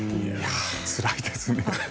つらいですね。